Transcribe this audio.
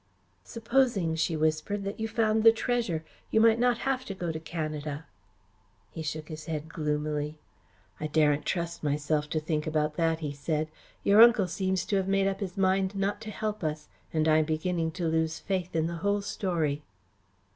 "Supposing," she whispered, "that you found the treasure; you might not have to go to Canada." He shook his head gloomily. "I daren't trust myself to think about that," he said. "Your uncle seems to have made up his mind not to help us, and I'm beginning to lose faith in the whole story."